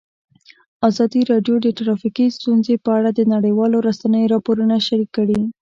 ازادي راډیو د ټرافیکي ستونزې په اړه د نړیوالو رسنیو راپورونه شریک کړي.